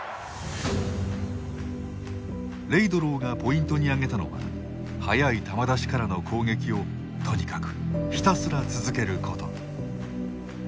レイドローがポイントに挙げたのは早い球出しからの攻撃をとにかくひたすら続けること。